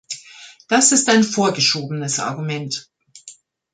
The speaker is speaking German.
Das ist ein vorgeschobenes Argument!